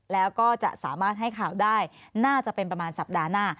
แล้วก็จะสามารถให้ข่าวได้น่าจะเป็นประมาณสัปดาห์หน้า